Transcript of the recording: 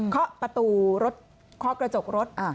เคาะประตูรถเคาะกระจกรถ